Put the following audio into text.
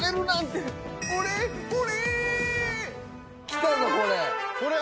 きたぞこれ。